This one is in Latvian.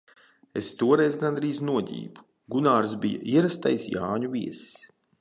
Es toreiz gandrīz noģību. Gunārs bija ierastais Jāņu viesis.